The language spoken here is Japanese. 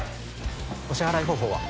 ・お支払い方法は？